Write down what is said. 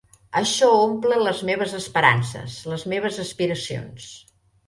Això omple les meves esperances, les meves aspiracions.